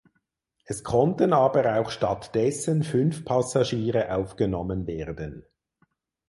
Es konnten aber auch stattdessen fünf Passagiere aufgenommen werden.